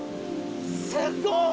すごい！